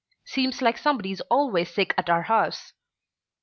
Seems like somebody's always sick at our house."